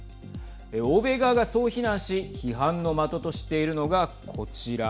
欧米側がそう非難し批判の的としているのがこちら。